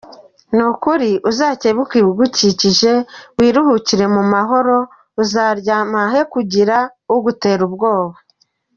Ni ukuri uzakebuka ibigukikije, wiruhukire mu mahoro, uzaryama he kugira ugutera ubwoba.